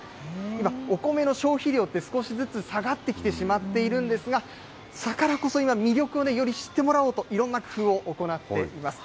今、お米の消費量って少しずつ下がってきてしまっているんですが、だからこそ、今、魅力を知ってもらおうと、いろんな工夫を行っています。